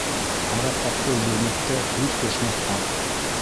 - Ҡараҡҡа ҡул бирмәҫкә, һүҙ ҡушмаҫҡа!